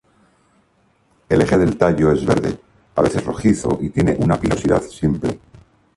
El eje del tallo es verde, a veces rojizo y tiene una pilosidad simple.